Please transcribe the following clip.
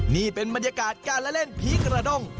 นี่เป็นบรรยากาศการละเล่นผีกระด้ง